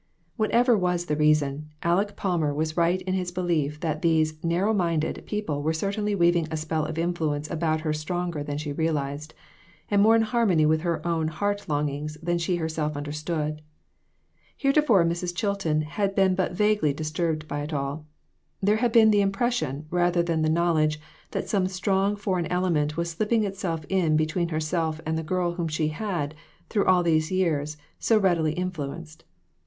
Whatever was the reason, Aleck Palmer was right in his belief that these "narrow minded" people were certainly weaving a spelf of influence about her stronger than she realized, and more in harmony with her own heart longings than she herself understood. Heretofore Mrs. Chilton had been but vaguely disturbed by it all ; there had been the impression, rather than the knowledge, that some strong for eign element was slipping itself in between her self and the girl whom she had, through all these years, so readily influenced.